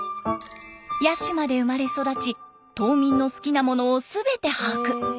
八島で生まれ育ち島民の好きなものを全て把握。